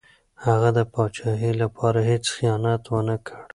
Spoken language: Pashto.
هغه د پاچاهۍ لپاره هېڅ خیانت ونه کړ.